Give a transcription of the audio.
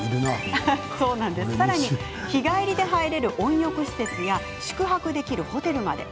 さらに、日帰りで入れる温浴施設や宿泊できるホテルまで。